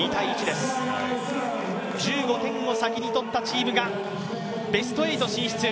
１５点を先に取ったチームがベスト８進出。